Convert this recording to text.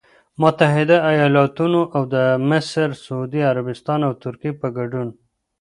متحدوایالتونو او د مصر، سعودي عربستان او ترکیې په ګډون